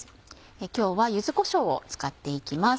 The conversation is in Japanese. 今日は柚子こしょうを使っていきます。